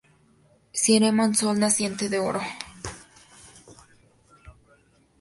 Cimera: un sol naciente de oro.